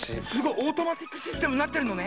オートマチックシステムになってるのね。